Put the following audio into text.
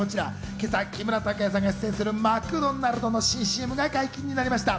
今朝、木村拓哉さんが出演するマクドナルドの新ＣＭが解禁になりました。